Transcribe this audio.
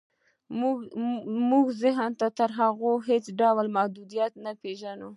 زموږ ذهن تر هغو هېڅ ډول محدودیت نه پېژني